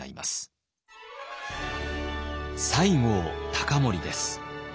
西郷隆盛です。